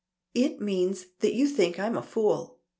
It means that you think I'm a fool.